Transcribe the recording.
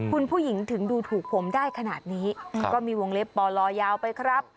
คุณผู้หญิงถึงดูถูกผมได้ขนาดนี้ก็มีวงเล็บปอลอยาวไปครับ